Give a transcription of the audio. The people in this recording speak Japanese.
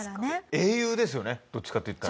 英雄ですよねどっちかっていったら。